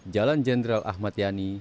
jalan jenderal ahmad yani